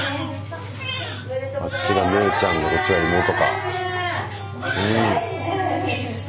あっちが姉ちゃんでこっちは妹か。